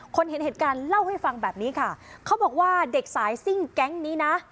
เห็นเหตุการณ์เล่าให้ฟังแบบนี้ค่ะเขาบอกว่าเด็กสายซิ่งแก๊งนี้นะ